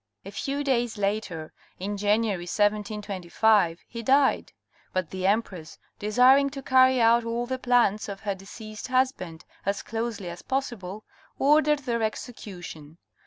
A few days later, in January, — 1725, he died ; but the Empress desiring to carry out all the plans of her deceased husband as closely as possible, ordered their exe cution.